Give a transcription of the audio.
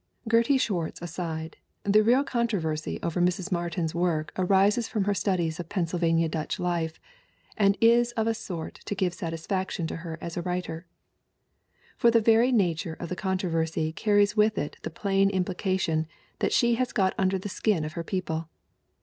Gertie Swartz aside, the real controversy over Mrs. Martin's work arises from her studies of Pennsylvania Dutch life, and is of a sort to give satisfaction to her as a writer. For the very nature of the contro versy carries with it the plain implication that she has got under the skin of her people.